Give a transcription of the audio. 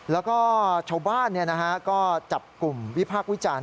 แล้วก็ชาวบ้านก็จับกลุ่มวิพากษ์วิจารณ์